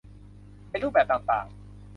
ในรูปแบบต่างต่าง